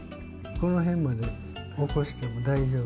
この辺までおこしても大丈夫。